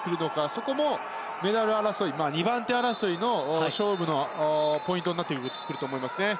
そこもメダル争い２番手争いの勝負のポイントになってくると思います。